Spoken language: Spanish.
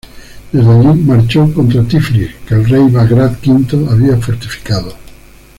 Desde allí, marchó contra Tiflis, que el rey Bagrat V había fortificado.